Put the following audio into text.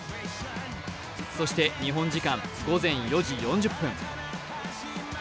そして日本時間午前４時４０分。